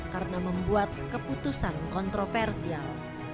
karena membuat keputusan kontroversial